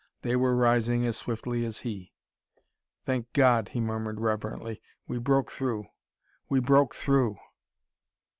They were rising as swiftly as he. "Thank God!" he murmured reverently. "We broke through! We broke through!"